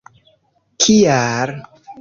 Kial!?